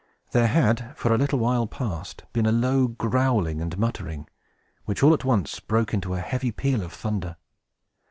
There had, for a little while past, been a low growling and muttering, which all at once broke into a heavy peal of thunder.